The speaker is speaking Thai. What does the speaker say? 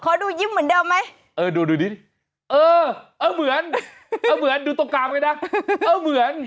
ขอดูยิ้มเหมือนเดิมไหมเออดูนี่เออเหมือนดูตรงกลางไว้นะเหมือน